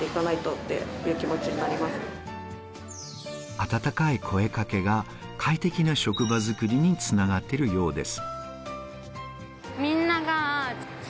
温かい声かけが快適な職場づくりにつながっているようです。